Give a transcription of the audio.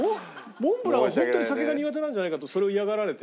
モンブランはホントに酒が苦手なんじゃないかとそれを嫌がられて。